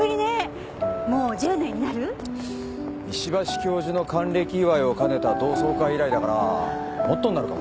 石橋教授の還暦祝いを兼ねた同窓会以来だからもっとになるかも。